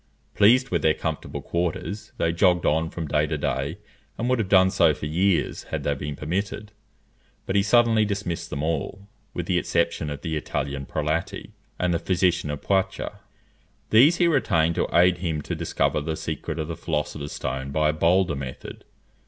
Pleased with their comfortable quarters, they jogged on from day to day, and would have done so for years, had they been permitted. But he suddenly dismissed them all, with the exception of the Italian Prelati, and the physician of Poitou. These he retained to aid him to discover the secret of the philosopher's stone by a bolder method.